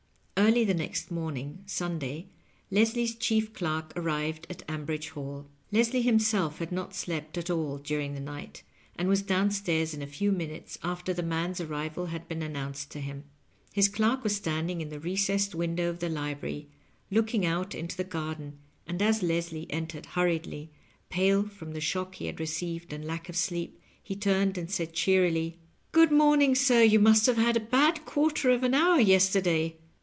Early the next morning, Sun day, Leslie's chief clerk arrived at Ambridge Hall. Les lie himself had not slept at all during the night, and was down stairs in a few minutes after the man's arrival had been announced to him. His clerk was standing in the recessed window of the library, looking out into the garden, and as Leslie entered hurriedly, pale from the shock he had received and lack of sleep, he turned and said cheerily, " Good morning, sir ; you must have had a bad quarter of an hour yesterday."